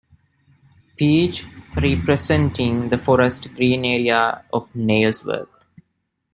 Peach, representing the Forest Green area of Nailsworth.